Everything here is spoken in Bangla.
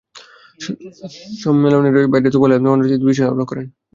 সম্মেলনের বাইরে তোফায়েল আহমেদ অন্যদের সঙ্গে দ্বিপক্ষীয় বিষয় নিয়েও আলাপ করেন।